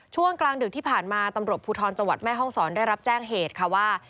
ช่วงกลางดึกที่ผ่านมาตำรวจภูทรจังหวัดแม่ห้องศรได้รับแจ้งเหตุค่ะว่า